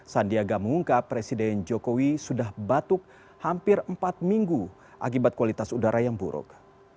sandiaga mengungkap presiden jokowi sudah batuk hampir empat minggu akibat kualitas udara yang buruk